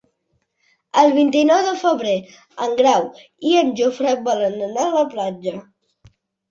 El vint-i-nou de febrer en Grau i en Jofre volen anar a la platja.